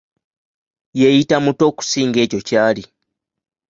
Yeeyita muto okusinga ekyo ky'ali.